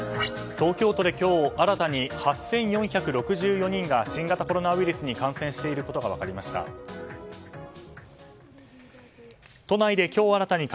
東京都で今日新たに８４６４人が新型コロナウイルスに感染していることが分かりました。